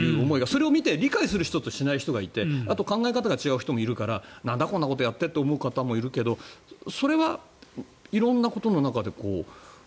それを見て理解する人としない人がいてあと、考え方が違う人もいるからなんだ、こんなことをやってって人もいるからそれは色んなことの中で。